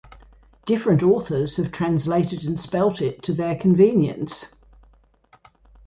Different authors have translated and spelt it to their convenience.